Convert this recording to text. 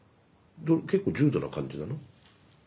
結構重度な感じなの？